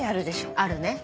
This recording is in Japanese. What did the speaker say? あるね。